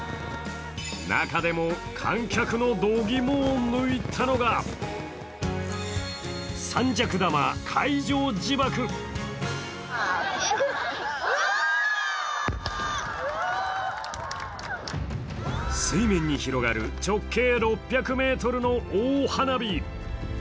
中でも観客の、どぎもを抜いたのが水面に広がる、推定６００ｍの大花火。